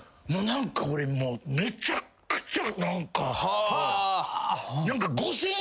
何か俺もうめちゃくちゃ。